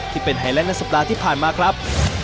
ที่เป็นไฮไลน์ทนับสัปดาห์ที่ผ่านมาครับ